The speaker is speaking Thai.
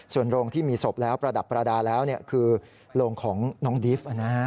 ส่วนโรงที่มีศพแล้วประดับประดาษแล้วคือโรงของน้องดิฟต์